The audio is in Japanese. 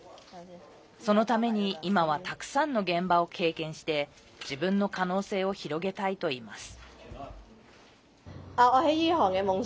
そのために今はたくさんの現場を経験して自分の可能性を広げたいといいます。